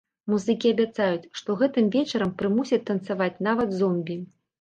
Музыкі абяцаюць, што гэтым вечарам прымусяць танцаваць нават зомбі.